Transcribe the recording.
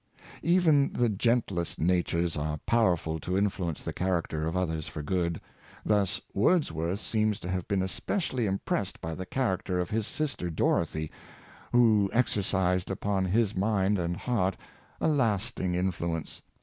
Even the gentlest natures are powerful to influence the character of others for good. Thus Wordsworth seems to have been especially impressed by the charac ter of his sister Dorothy, who exercised upon his mind and heart a lasting influence.